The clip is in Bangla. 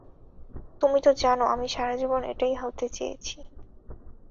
তুমি তো জানো, আমি সারাজীবন এটাই হতে চেয়েছি।